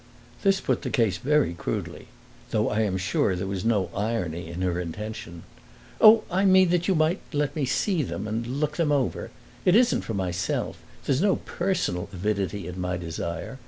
This put the case very crudely, though I am sure there was no irony in her intention. "Oh, I mean that you might let me see them and look them over. It isn't for myself; there is no personal avidity in my desire.